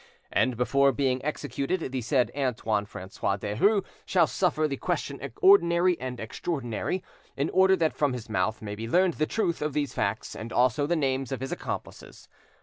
And, before being executed, the said Antoine Francois Derues shall suffer the question ordinary and extraordinary, in order that from his mouth may be learned the truth of these facts, and also the names of his accomplices.